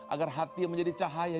agar hati menjadi cahaya